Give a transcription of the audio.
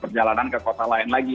perjalanan ke kota lain lagi